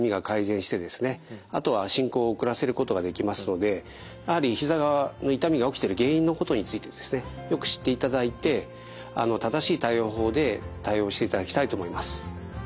あとは進行を遅らせることができますのでやはりひざの痛みが起きている原因のことについてですねよく知っていただいて正しい対応法で対応していただきたいと思います。